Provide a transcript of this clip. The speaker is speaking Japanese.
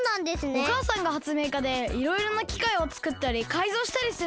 おかあさんがはつめいかでいろいろなきかいをつくったりかいぞうしたりするのがとくいなんだよ。